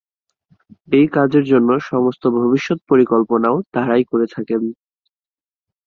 এই কাজের জন্য সমস্ত ভবিষ্যৎ পরিকল্পনাও তারাই করে থাকে।